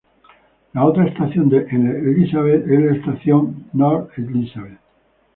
La otra estación en Elizabeth es la estación North Elizabeth.